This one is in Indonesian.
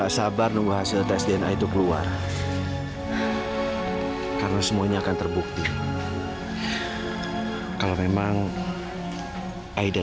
sampai jumpa di video selanjutnya